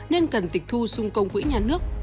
nên cần tịch thu sung công quỹ nhà nước